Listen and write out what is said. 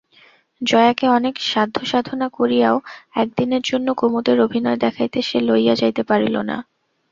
জয়াকে অনেক সাধ্যসাধনা করিয়াও একদিনের জন্য কুমুদের অভিনয় দেখাইতে সে লইয়া যাইতে পারিল না।